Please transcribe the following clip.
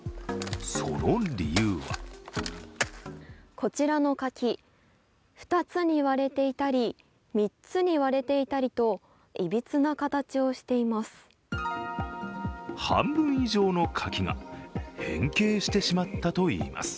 その理由はこちらの柿、２つに割れていたり３つに割れていたりといびつな形をしています。